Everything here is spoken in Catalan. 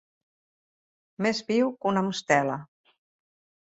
Més viu que una mostela.